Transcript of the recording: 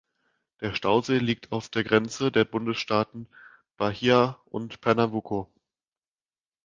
Der Stausee liegt auf der Grenze der Bundesstaaten Bahia und Pernambuco.